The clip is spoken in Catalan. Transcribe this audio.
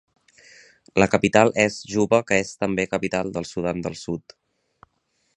La capital és Juba que és també capital del Sudan del Sud.